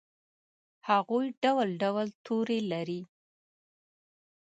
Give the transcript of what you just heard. هغوي ډول ډول تورې لري